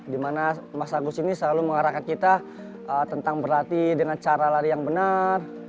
dimana mas agus ini selalu mengarahkan kita tentang berlatih dengan cara lari yang benar